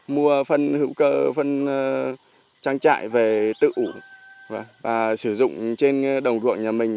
mua phân hữu cơ phân trang trại về tự ủ và sử dụng trên đồng ruộng nhà mình